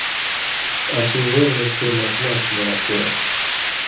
اسیں وزنہ چے ناشنا تھو مراتی یاں،